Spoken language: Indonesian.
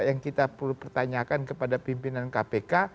yang kita perlu pertanyakan kepada pimpinan kpk